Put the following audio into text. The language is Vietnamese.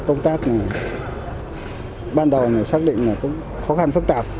công tác ban đầu xác định là cũng khó khăn phức tạp